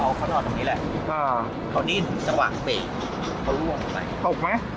เขาเขานอนตรงนี้แหละอ่าเขานี่สว่างเบย์เขาร่วมลงไปตกมั้ย